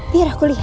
biar aku lihat ya